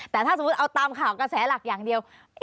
แต่ถ้าสมมุติเอาตามข่าวกระแสหลักอย่างเดียว